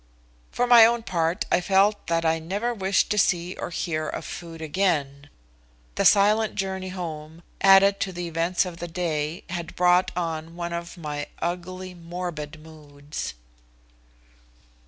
For my own part I felt that I never wished to see or hear of food again. The silent journey home, added to the events of the day, had brought on one of my ugly morbid moods.